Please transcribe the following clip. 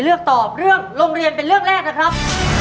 เลือกตอบเรื่องโรงเรียนเป็นเรื่องแรกนะครับ